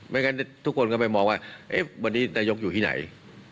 งั้นทุกคนก็ไปมองว่าวันนี้นายกอยู่ที่ไหน